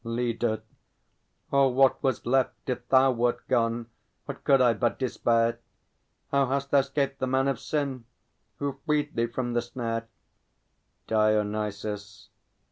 LEADER. Oh, what was left if thou wert gone? What could I but despair? How hast thou 'scaped the man of sin? Who freed thee from the snare? DIONYSUS.